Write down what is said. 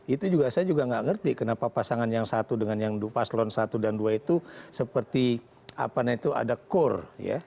itu saya juga nggak ngerti kenapa pasangan yang satu dengan yang paslon satu dan dua itu seperti ada core ya